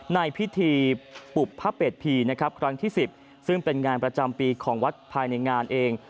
ในพิธีปุบพระเปรตพีนะครับครั้งที่๑๐ซึ่งเป็นงานประจำปีของวัดภายในงานเอง